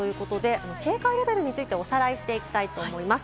警戒レベルについておさらいしていきたいと思います。